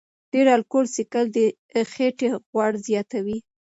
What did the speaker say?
ډېر الکول څښل د خېټې غوړ زیاتوي.